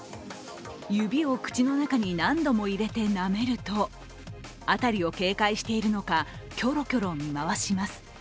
指を口の中に何度も入れてなめると辺りを警戒しているのかキョロキョロ見回します。